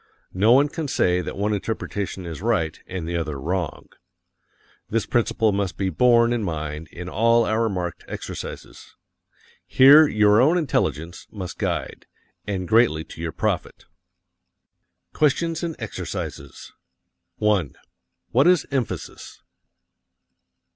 No one can say that one interpretation is right and the other wrong. This principle must be borne in mind in all our marked exercises. Here your own intelligence must guide and greatly to your profit. QUESTIONS AND EXERCISES. 1. What is emphasis?